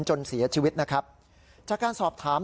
จนเสียชีวิตนะครับจากการสอบถาม